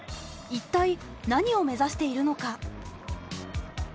一体なにを目指しているのか。